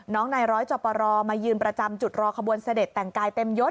นายร้อยจอปรมายืนประจำจุดรอขบวนเสด็จแต่งกายเต็มยศ